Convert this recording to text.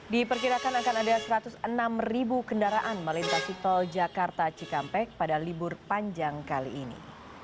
diperkirakan akan ada satu ratus enam ribu kendaraan melintasi tol jakarta cikampek pada libur panjang kali ini